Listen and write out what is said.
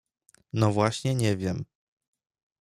No właśnie nie wiem.